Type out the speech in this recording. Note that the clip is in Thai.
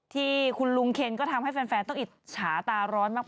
ที่คุณลุงเคนก็ทำให้แฟนต้องอิจฉาตาร้อนมาก